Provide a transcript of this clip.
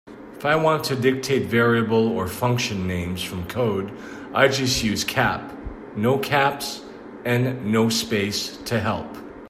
If I want to dictate variable or function names from code, I just use "cap", "no caps", and "no space" to help.